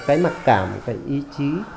cái mặt cảm cái ý chí